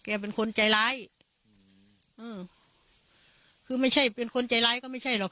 เป็นคนใจร้ายอืมคือไม่ใช่เป็นคนใจร้ายก็ไม่ใช่หรอก